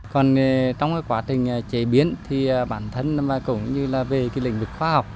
còn trong quá trình chế biến thì bản thân cũng như là về lĩnh vực khoa học